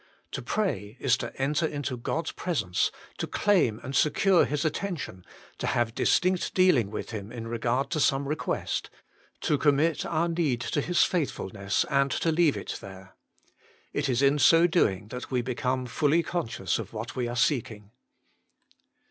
To pray is to enter into God s presence, to claim and secure His attention, to have distinct dealing with Him in regard to some request, to commit our need to His faithfulness and to leave it there : it is in so doing that we become fully conscious of what we are seeking.